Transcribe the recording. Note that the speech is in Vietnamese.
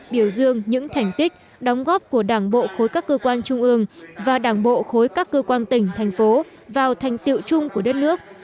biểu dương những thành tích đóng góp của đảng bộ khối các cơ quan trung ương và đảng bộ khối các cơ quan tỉnh thành phố vào thành tiệu chung của đất nước